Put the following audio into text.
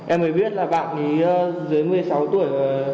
em mới biết là bạn ấy dưới một mươi sáu tuổi